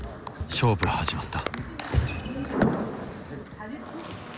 勝負が始まった。